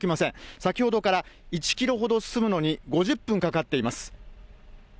先ほどから１キロほど進むのに５０分かかっています。